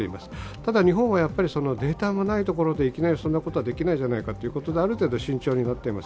ただ、日本はデータのないところでいきなりそんなことはできないじゃないかということである程度慎重になっています。